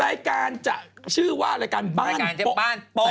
รายการจะชื่อว่ารายการบ้านโป๊